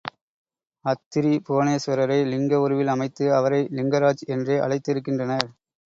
அத்திரிபுவனேஸ்வரரை லிங்க உருவில் அமைத்து அவரை லிங்கராஜ் என்றே அழைத்திருக்கின்றனர்.